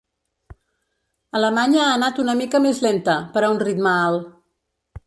Alemanya ha anat una mica més lenta, per a un ritme alt.